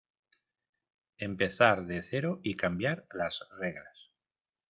empezar de cero y cambiar las reglas